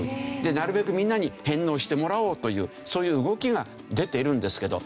なるべくみんなに返納してもらおうというそういう動きが出ているんですけど。